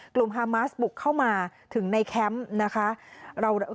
ฮามาสบุกเข้ามาถึงในแคมป์นะคะ